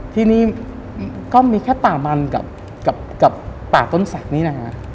ที่นี่ก็มีแค่ตาบันกับตาต้นสักนี่นะฮะ